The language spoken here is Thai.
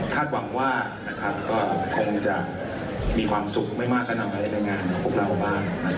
คาดหวังว่านะครับก็คงจะมีความสุขไม่มากก็นำไว้ในงานของพวกเราบ้าง